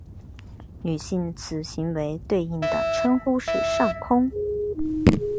女性此行为对应的称呼是上空。